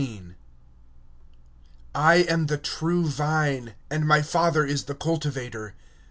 I AM the true vine, and my Father is the husbandman.